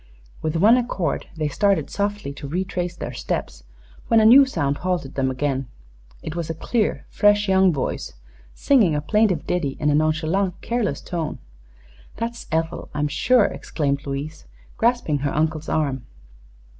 With one accord they started softly to retrace their steps when a new sound halted them again. It was a clear, fresh young voice singing a plaintive ditty in a nonchalant, careless tone. "That's Ethel, I'm sure," exclaimed Louise, grasping her uncle's arm.